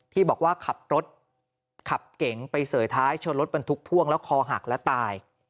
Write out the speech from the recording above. ที่บอกว่าขับรถขับเก๋งไปเสยท้ายชนรถบรรทุกพ่วงแล้วคอหักและตาย